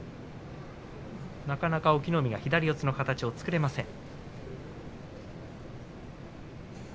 なかなか隠岐の海は左四つの形が作れません。